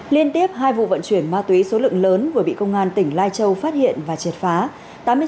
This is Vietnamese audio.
liên tiếp hai vụ vận chuyển ma túy số lượng lớn vừa bị công an tỉnh lai châu phát hiện và triệt phá